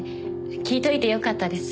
聞いておいてよかったです。